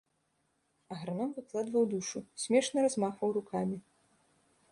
Аграном выкладваў душу, смешна размахваў рукамі.